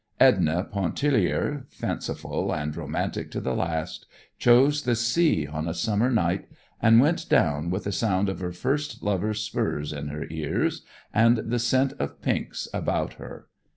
"Edna Pontellier," fanciful and romantic to the last, chose the sea on a summer night and went down with the sound of her first lover's spurs in her ears, and the scent of pinks about her.